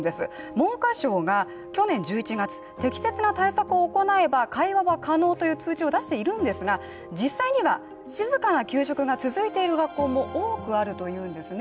文科省が去年１１月、適切な対策を行えば会話は可能という通知を出しているんですが実際には静かな給食が続いている学校も多くあるというんですね。